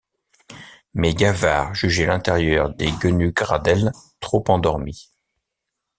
Mais Gavard jugeait l’intérieur des Quenu-Gradelle trop endormi.